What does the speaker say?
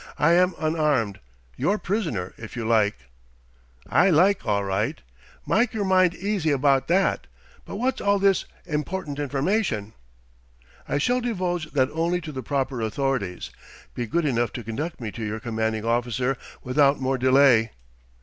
"I am unarmed your prisoner, if you like." "I like, all right. Mike yer mind easy abaht that. But wot's all this 'important information'?" "I shall divulge that only to the proper authorities. Be good enough to conduct me to your commanding officer without more delay."